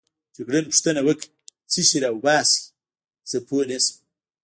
جګړن پوښتنه وکړه: څه شی راوباسې؟ زه پوه نه شوم.